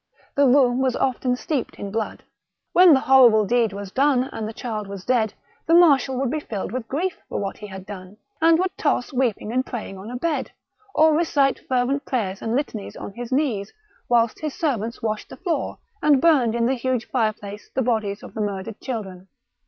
The room was often steeped in blood. When the horrible deed was done, and the child was dead, the marshal would be filled with grief for what he had done, and would toss weeping and praying on a bed, or recite fervent prayers and litanies on his knees, whilst his servants washed the floor, and burned in the huge fireplace the bodies of the murdered children.